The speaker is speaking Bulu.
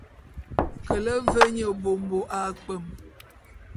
Kele ve nye bômbo a kpwem.